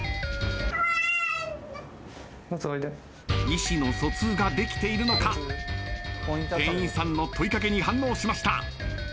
意思の疎通ができているのか店員さんの問い掛けに反応しました。